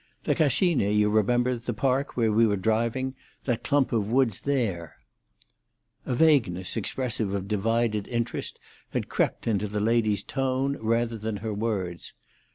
The Cascine you remember—the park where we were driving—that clump of woods there——" A vagueness expressive of divided interest had crept into the lady's tone rather than her words.